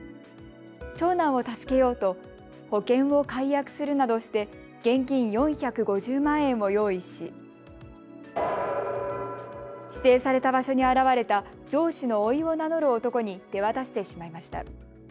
長男を助けようと保険を解約するなどして現金４５０万円を用意し、指定された場所に現れた上司のおいを名乗る男に手渡してしまいました。